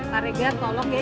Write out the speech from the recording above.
pak regar tolong ya